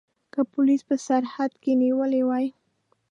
که پولیسو په سرحد کې نیولي وای.